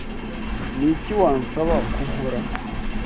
Niki wansaba ko nkora?